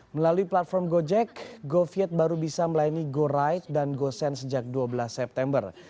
melalui platform gojek goviet baru bisa melayani goride dan gosend sejak dua belas september